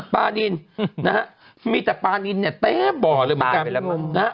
ปลานินมีแต่ปลานินเนี่ยแต๊บ่อเลยเหมือนกัน